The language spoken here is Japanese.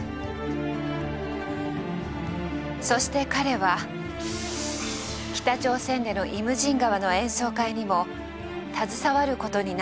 そして彼は北朝鮮での「イムジン河」の演奏会にも携わることになるのです。